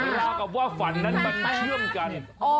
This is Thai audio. ราวกับว่าฝันนั้นมาเชื่อมกัน